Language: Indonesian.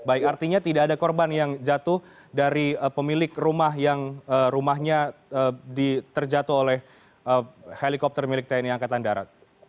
baik artinya tidak ada korban yang jatuh dari pemilik rumah yang rumahnya terjatuh oleh helikopter milik tni angkatan darat